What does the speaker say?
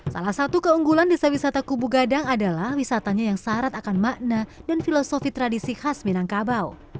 salah satu keunggulan desa wisata kubu gadang adalah wisatanya yang syarat akan makna dan filosofi tradisi khas minangkabau